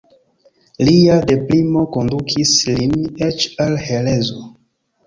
Lia deprimo kondukis lin eĉ al herezo.